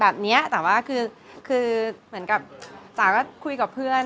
เพราะว่าเพื่อนก็คุยกับเขา